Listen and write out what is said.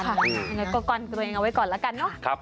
ยังไงก็ก้อนตัวเองเอาไว้ก่อนแล้วกันเนอะ